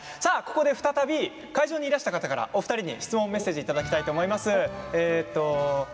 ここで再び会場にいらした方からお二人に質問、メッセージをいただきたいと思います。